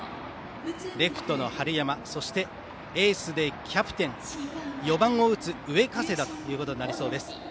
レフトの春山そして、エースでキャプテン４番を打つ上加世田ということになりそうです。